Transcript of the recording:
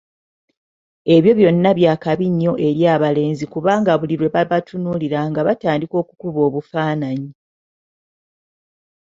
Ebyo byonna byakabi nnyo eri abalenzi kubanga buli lwe babatunuulira nga batandika okukuba obufaananyi